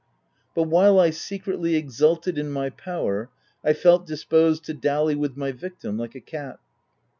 But while I secretly exulted in my power, I felt dis posed to dally with my victim like a cat.